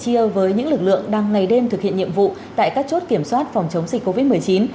chương trình sẽ chia với những lực lượng đang ngày đêm thực hiện nhiệm vụ tại các chốt kiểm soát phòng chống dịch covid một mươi chín